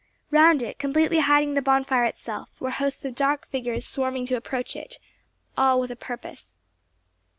Round it, completely hiding the bonfire itself, were hosts of dark figures swarming to approach it—all with a purpose.